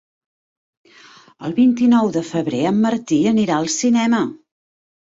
El vint-i-nou de febrer en Martí anirà al cinema.